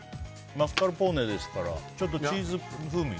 マスカルポーネですからチーズ風味？